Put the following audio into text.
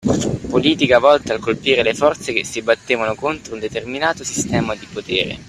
politica volta a colpire le forze che si battevano contro un determinato sistema di potere.